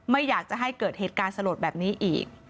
ไม่อยากจะให้เกิดเหตุการณ์สลดแบบนี้อีก